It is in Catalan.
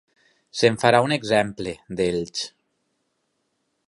Se'n farà un exemple, d'ells.